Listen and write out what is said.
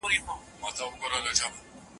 سیمي ته کډه سوی وي، او ټول پښتانه د حضرت